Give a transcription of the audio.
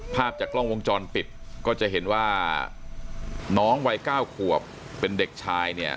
ภาพจากกล้องวงจรปิดก็จะเห็นว่าน้องวัย๙ขวบเป็นเด็กชายเนี่ย